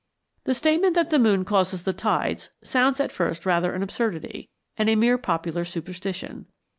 The statement that the moon causes the tides sounds at first rather an absurdity, and a mere popular superstition.